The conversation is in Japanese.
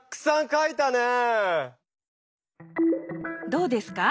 どうですか？